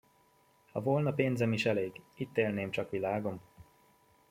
Ha volna pénzem is elég, itt élném csak világom!